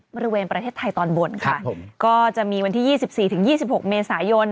บริเวณประเทศไทยตอนบนค่ะก็จะมีวันที่๒๔ถึง๒๖เมษายน